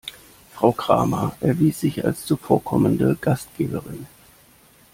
Frau Kramer erwies sich als zuvorkommende Gastgeberin.